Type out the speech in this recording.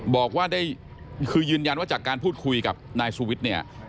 บอกว่าได้คือยืนยันว่าจากการพูดคุยกับนายสุวิทย์เนี่ย